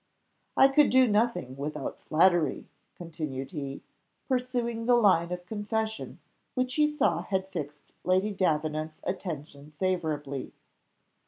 "I could do nothing without flattery," continued he, pursuing the line of confession which he saw had fixed Lady Davenant's attention favourably.